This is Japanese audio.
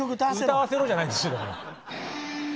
「歌わせろ」じゃないんですよ。